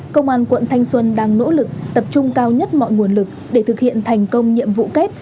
công an quận thanh xuân đang nỗ lực tập trung cao nhất mọi nguồn lực để thực hiện thành công nhiệm vụ kép